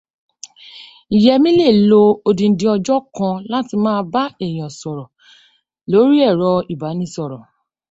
Yẹmí lè lo odindi ọjọ́ kan láti máa bá èèyàn sọ̀rọ̀ lórí ẹ̀rọ ìbánisọ̀rọ̀